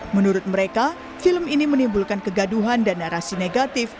menurut mereka film ini menimbulkan kegaduhan dan narasi negatif